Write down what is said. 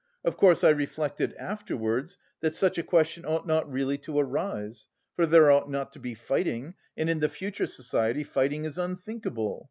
Of course, I reflected afterwards that such a question ought not really to arise, for there ought not to be fighting and in the future society fighting is unthinkable...